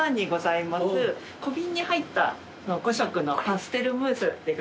小瓶に入った５色のパステルムースでございます。